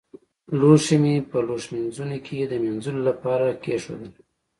لوښي مې په لوښمینځوني کې د مينځلو لپاره کېښودل.